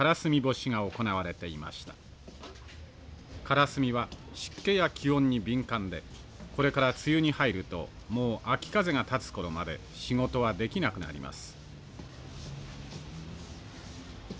からすみは湿気や気温に敏感でこれから梅雨に入るともう秋風が立つ頃まで仕事はできなくなります。